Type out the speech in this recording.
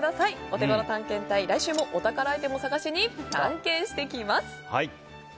オテゴロ探検隊、来週もお宝アイテムを探しに探検してきます！